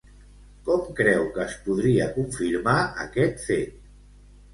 Com creu que es podria confirmar aquest fet?